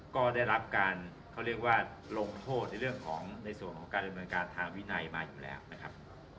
ก็ได้รับการเขาเรียกว่าลงโทษในเรื่องของในส่วนของการดำเนินการทางวินัยมาอยู่แล้วนะครับ